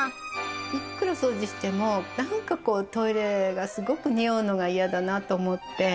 いくら掃除してもなんかこうトイレがすごく臭うのが嫌だなと思って。